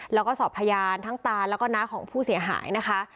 แล้วก็สอบพยานทั้งตาแล้วก็น้าของผู้เสียหายนะคะ